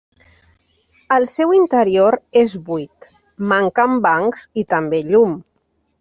El seu interior és buit: manquen bancs i també llum.